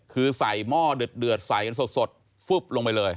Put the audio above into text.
คือใส่หม้อเดือดใส่กันสดฟึ๊บลงไปเลย